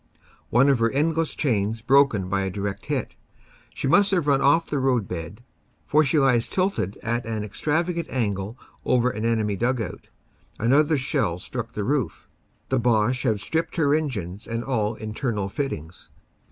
One of her end less chains broken by a direct hit, she must have run off the roadbed, for she lies tilted at an extravagant angle over an enemy dug out. Another shell struck the roof. The Boche have stripped her engines and all internal fittings.